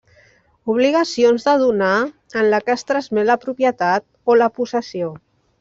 Obligacions de donar en la que es transmet la propietat o la possessió.